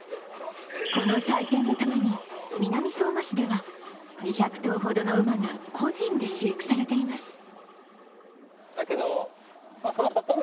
この祭典のために南相馬市では２００頭ほどの馬が個人で飼育されています。